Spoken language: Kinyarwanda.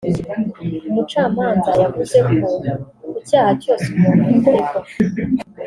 umucamanza yavuze ko ku cyaha cyose umuntu aregwa